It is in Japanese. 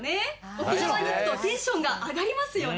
沖縄に行くとテンションが上がりますよね？